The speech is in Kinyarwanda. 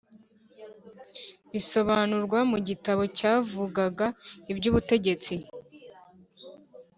Bisobanurwa mu gitabo cyavugaga iby ‘ubutegetsi.